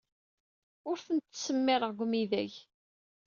Ur tent-ttsemmireɣ deg umidag.